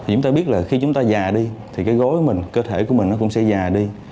chúng ta biết là khi chúng ta già đi thì cái gối mình cơ thể của mình nó cũng sẽ già đi